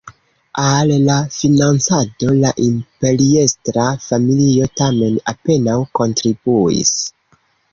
Al la financado la imperiestra familio tamen apenaŭ kontribuis.